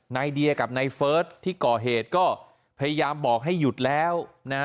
นายเดียกับนายเฟิร์สที่ก่อเหตุก็พยายามบอกให้หยุดแล้วนะฮะ